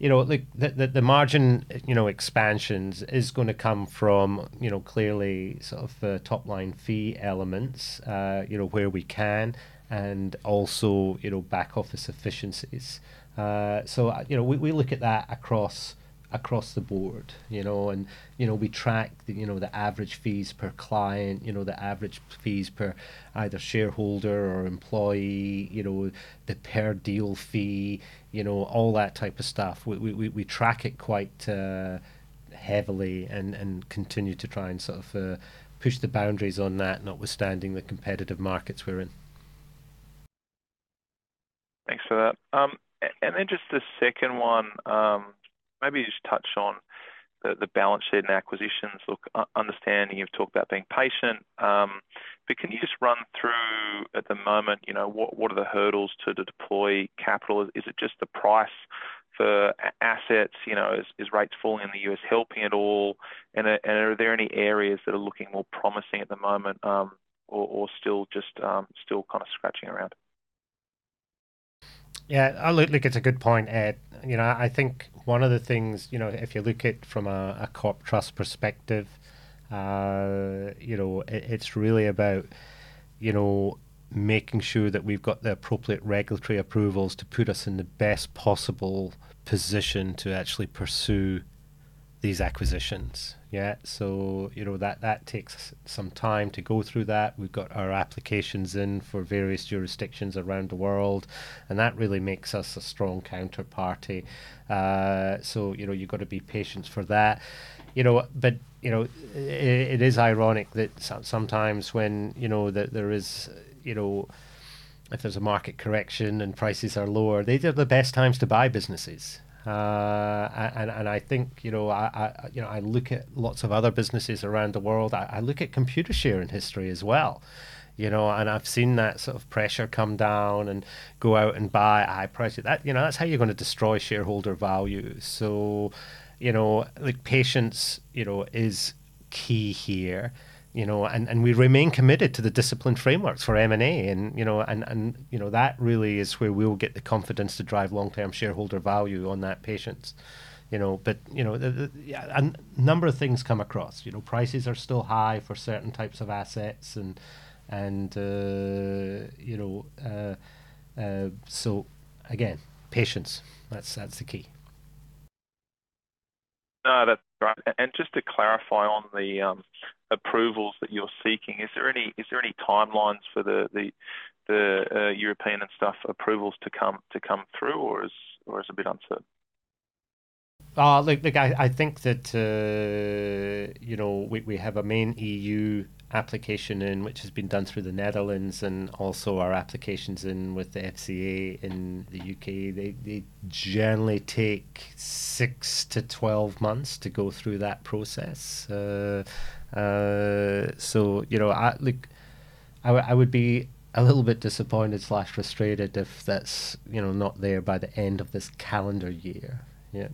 [SPEAKER 1] the margin expansions is going to come from clearly sort of the top-line fee elements where we can and also back-office efficiencies. So we look at that across the board. We track the average fees per client, the average fees per either shareholder or employee, the per-deal fee, all that type of stuff. We track it quite heavily and continue to try and sort of push the boundaries on that, notwithstanding the competitive markets we're in.
[SPEAKER 8] Thanks for that. And then just the second one, maybe you just touch on the balance sheet and acquisitions. Look, understanding you've talked about being patient. But can you just run through, at the moment, what are the hurdles to deploy capital? Is it just the price for assets? Is rates falling in the U.S. helping at all? And are there any areas that are looking more promising at the moment or still kind of scratching around?
[SPEAKER 1] Yeah, I look at it's a good point, Ed. I think one of the things, if you look at it from a corp trust perspective, it's really about making sure that we've got the appropriate regulatory approvals to put us in the best possible position to actually pursue these acquisitions, yeah? So that takes some time to go through that. We've got our applications in for various jurisdictions around the world. And that really makes us a strong counterparty. So you've got to be patient for that. But it is ironic that sometimes when there's a market correction and prices are lower, these are the best times to buy businesses. And I think I look at lots of other businesses around the world. I look at Computershare in history as well. And I've seen that sort of pressure come down and go out and buy at a high price. That's how you're going to destroy shareholder value. So patience is key here. And we remain committed to the discipline frameworks for M&A. And that really is where we'll get the confidence to drive long-term shareholder value on that patience. But a number of things come across. Prices are still high for certain types of assets. And so again, patience, that's the key.
[SPEAKER 8] No, that's right. Just to clarify on the approvals that you're seeking, is there any timelines for the European and stuff approvals to come through? Or is it a bit uncertain?
[SPEAKER 1] Look, I think that we have a main EU application in, which has been done through the Netherlands, and also our applications in with the FCA in the U.K. They generally take six to 12 months to go through that process. So look, I would be a little bit disappointed/frustrated if that's not there by the end of this calendar year, yeah?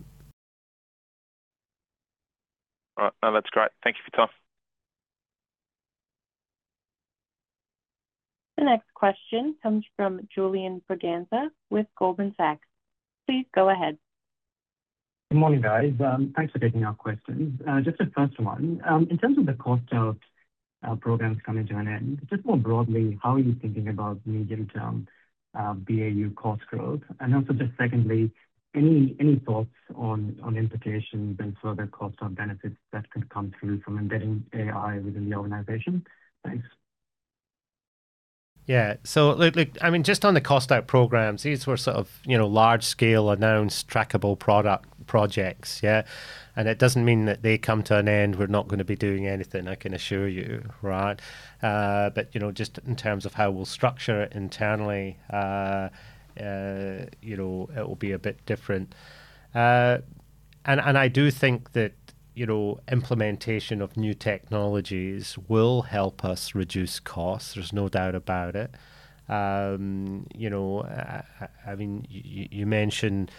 [SPEAKER 8] All right, no, that's great. Thank you for your time.
[SPEAKER 3] The next question comes from Julian Braganza with Goldman Sachs. Please go ahead.
[SPEAKER 9] Good morning, guys. Thanks for taking our questions. Just the first one, in terms of the cost of programs coming to an end, just more broadly, how are you thinking about medium-term BAU cost growth? And also just secondly, any thoughts on implications and further cost-out benefits that could come through from embedding AI within the organization? Thanks.
[SPEAKER 1] Yeah, so look, I mean, just on the cost-out programs, these were sort of large-scale, announced, trackable product projects, yeah? And it doesn't mean that they come to an end, we're not going to be doing anything, I can assure you, right? But just in terms of how we'll structure it internally, it will be a bit different. And I do think that implementation of new technologies will help us reduce costs. There's no doubt about it. I mean, you mentioned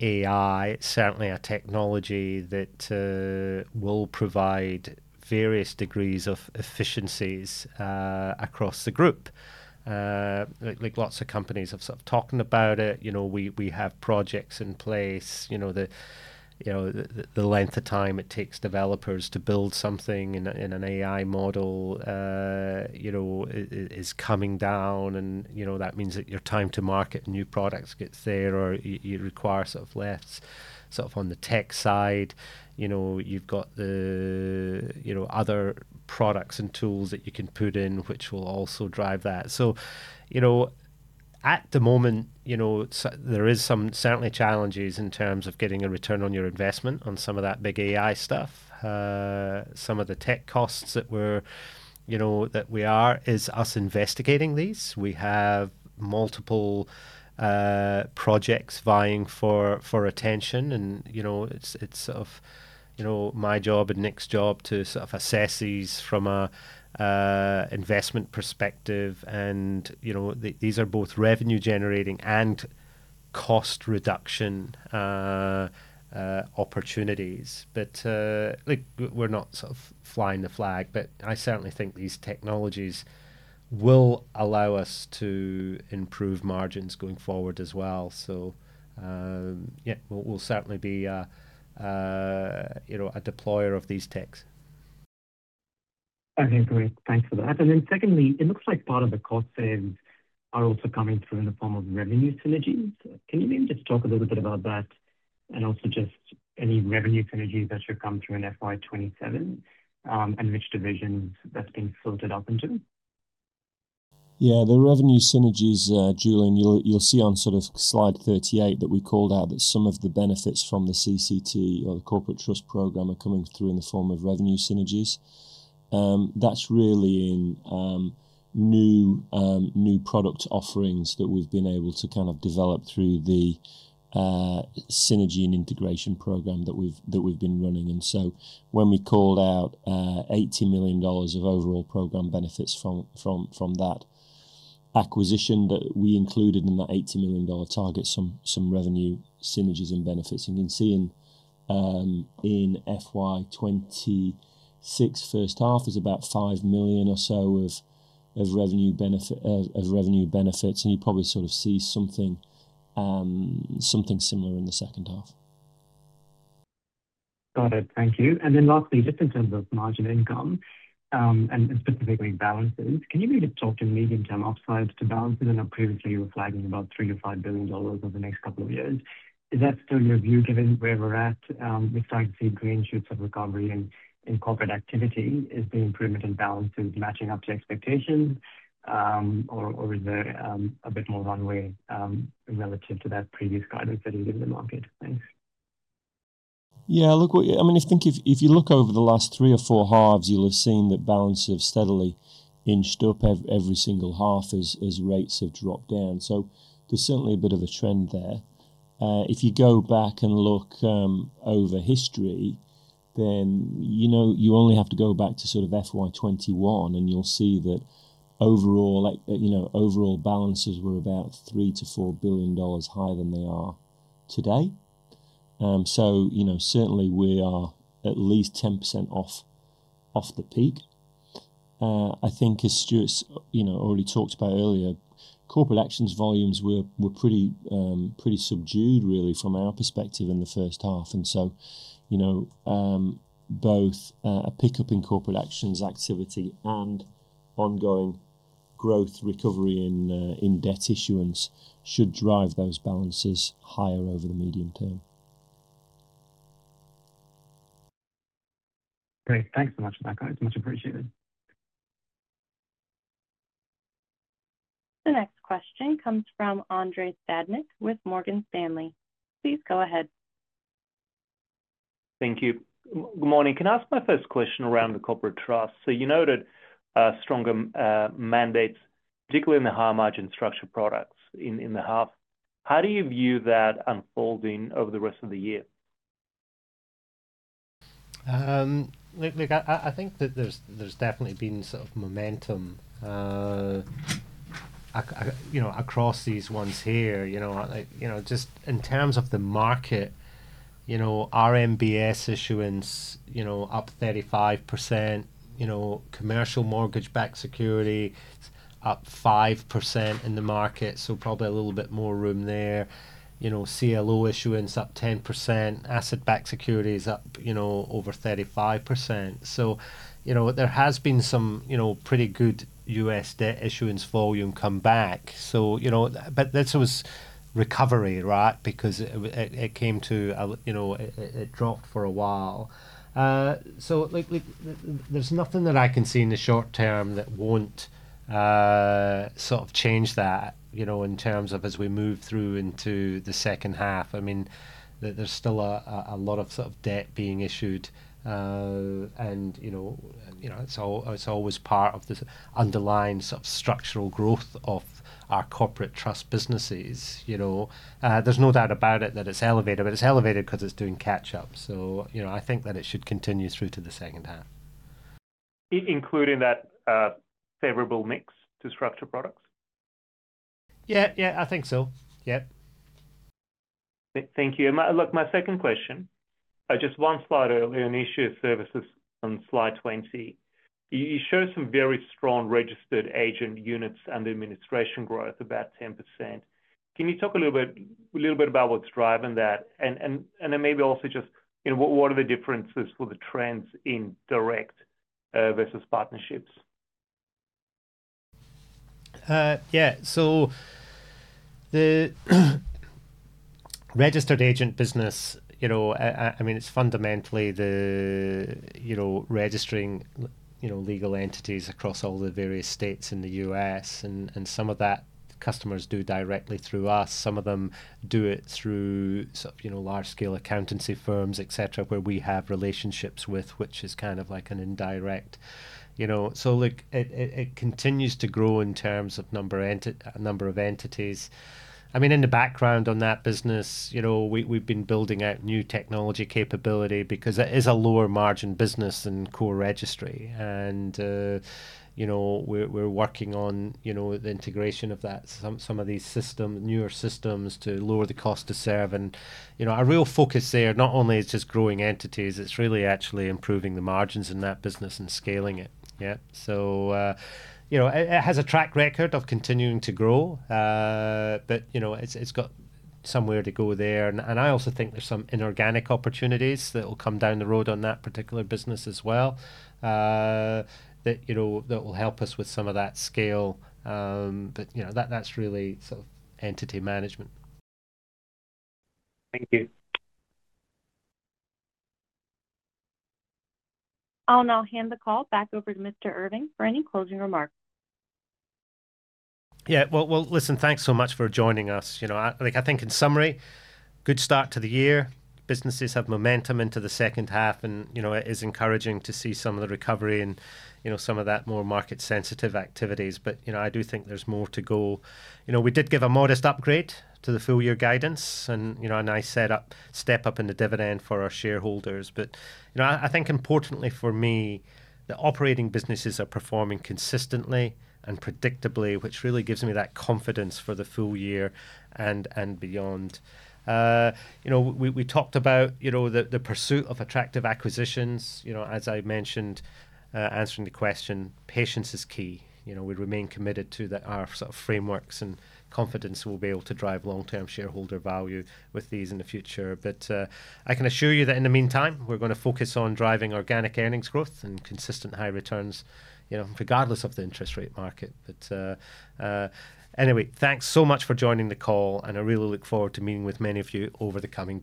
[SPEAKER 1] AI. It's certainly a technology that will provide various degrees of efficiencies across the group. Lots of companies have sort of talked about it. We have projects in place. The length of time it takes developers to build something in an AI model is coming down. And that means that your time to market new products gets there, or it requires sort of less. Sort of on the tech side, you've got the other products and tools that you can put in, which will also drive that. So at the moment, there are certainly challenges in terms of getting a return on your investment on some of that big AI stuff. Some of the tech costs that we are—it's us investigating these. We have multiple projects vying for attention. And it's sort of my job and Nick's job to sort of assess these from an investment perspective. And these are both revenue-generating and cost-reduction opportunities. But look, we're not sort of flying the flag. But I certainly think these technologies will allow us to improve margins going forward as well. So yeah, we'll certainly be a deployer of these techs.
[SPEAKER 9] I agree. Thanks for that. And then secondly, it looks like part of the costs are also coming through in the form of revenue synergies. Can you maybe just talk a little bit about that and also just any revenue synergies that should come through in FY 2027 and which divisions that's being filtered up into?
[SPEAKER 2] Yeah, the revenue synergies, Julian, you'll see on sort of slide 38 that we called out that some of the benefits from the CCT or the Corporate Trust program are coming through in the form of revenue synergies. That's really in new product offerings that we've been able to kind of develop through the synergy and integration program that we've been running. And so when we called out $80 million of overall program benefits from that acquisition that we included in that $80 million target, some revenue synergies and benefits. And you can see in FY 2026 first half, there's about $5 million or so of revenue benefits. And you probably sort of see something similar in the second half.
[SPEAKER 9] Got it. Thank you. And then lastly, just in terms of margin income and specifically balances, can you maybe just talk to medium-term upsides to balances? I know previously, you were flagging about $3 billion-$5 billion over the next couple of years. Is that still your view, given where we're at? We start to see green shoots of recovery in corporate activity. Is the improvement in balances matching up to expectations? Or is there a bit more runway relative to that previous guidance that you gave the market? Thanks.
[SPEAKER 2] Yeah, look, I mean, if you look over the last three or four halves, you'll have seen that balances have steadily inched up every single half as rates have dropped down. So there's certainly a bit of a trend there. If you go back and look over history, then you only have to go back to sort of FY 2021. And you'll see that overall balances were about $3 billion-$4 billion higher than they are today. So certainly, we are at least 10% off the peak. I think, as Stuart already talked about earlier, corporate actions volumes were pretty subdued, really, from our perspective in the first half. And so both a pickup in corporate actions activity and ongoing growth recovery in debt issuance should drive those balances higher over the medium term.
[SPEAKER 9] Great. Thanks so much for that, guys. Much appreciated.
[SPEAKER 3] The next question comes from Andrei Stadnik with Morgan Stanley. Please go ahead.
[SPEAKER 10] Thank you. Good morning. Can I ask my first question around the corporate trust? So you noted stronger mandates, particularly in the high-margin structured products in the half. How do you view that unfolding over the rest of the year?
[SPEAKER 1] Look, I think that there's definitely been sort of momentum across these ones here. Just in terms of the market, RMBS issuance up 35%, commercial mortgage-backed securities up 5% in the market, so probably a little bit more room there. CLO issuance up 10%, asset-backed securities up over 35%. So there has been some pretty good U.S. debt issuance volume come back. But this was recovery, right? Because it came to it dropped for a while. So look, there's nothing that I can see in the short term that won't sort of change that in terms of as we move through into the second half. I mean, there's still a lot of sort of debt being issued. And it's always part of this underlying sort of structural growth of our corporate trust businesses. There's no doubt about it that it's elevated. But it's elevated because it's doing catch-up. I think that it should continue through to the second half.
[SPEAKER 10] Including that favorable mix to structured products?
[SPEAKER 1] Yeah, yeah, I think so. Yeah.
[SPEAKER 10] Thank you. And look, my second question, just one slide earlier, issuer services on slide 20. You show some very strong registered agent units and administration growth, about 10%. Can you talk a little bit about what's driving that? And then maybe also just what are the differences for the trends in direct versus partnerships?
[SPEAKER 1] Yeah, so the registered agent business, I mean, it's fundamentally the registering legal entities across all the various states in the U.S. And some of that, customers do directly through us. Some of them do it through sort of large-scale accountancy firms, et cetera, where we have relationships with, which is kind of like an indirect. So look, it continues to grow in terms of number of entities. I mean, in the background on that business, we've been building out new technology capability because it is a lower-margin business and core registry. And we're working on the integration of some of these newer systems to lower the cost to serve. And our real focus there, not only is just growing entities, it's really actually improving the margins in that business and scaling it, yeah? So it has a track record of continuing to grow. It's got somewhere to go there. I also think there's some inorganic opportunities that will come down the road on that particular business as well that will help us with some of that scale. That's really sort of entity management. Thank you.
[SPEAKER 3] I'll now hand the call back over to Mr. Irving for any closing remarks.
[SPEAKER 1] Yeah, well, listen, thanks so much for joining us. I think, in summary, good start to the year. Businesses have momentum into the second half. And it is encouraging to see some of the recovery and some of that more market-sensitive activities. But I do think there's more to go. We did give a modest upgrade to the full-year guidance and a nice step up in the dividend for our shareholders. But I think, importantly for me, the operating businesses are performing consistently and predictably, which really gives me that confidence for the full year and beyond. We talked about the pursuit of attractive acquisitions. As I mentioned, answering the question, patience is key. We remain committed to our sort of frameworks. And confidence will be able to drive long-term shareholder value with these in the future. But I can assure you that in the meantime, we're going to focus on driving organic earnings growth and consistent high returns, regardless of the interest rate market. But anyway, thanks so much for joining the call. And I really look forward to meeting with many of you over the coming.